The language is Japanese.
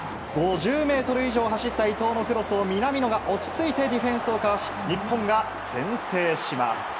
５０ｍ以上走った伊東のクロスを南野が落ち着いてディフェンスをかわし日本が先制します。